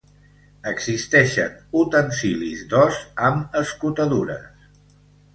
Existeixen utensilis d'os amb escotadures.